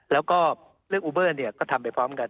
แล้วก็เรื่องอูเบอร์ก็ทำไปพร้อมกัน